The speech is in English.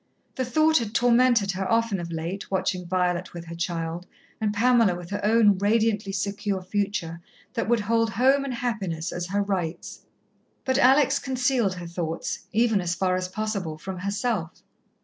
The thought had tormented her often of late, watching Violet with her child, and Pamela with her own radiantly secure future that would hold home and happiness as her rights. But Alex concealed her thoughts, even, as far as possible, from herself.